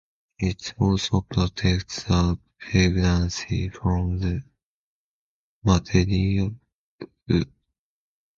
It also protects the pregnancy from the maternal immune system.